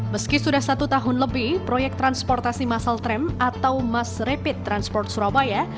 meski sudah satu tahun lebih proyek transportasi masal tram atau mass rapid transport surabaya